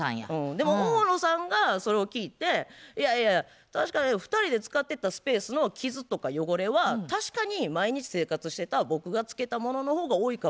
でも大野さんがそれを聞いていやいやいや確かに２人で使ってたスペースの傷とか汚れは確かに毎日生活してた僕がつけたものの方が多いかもしらん。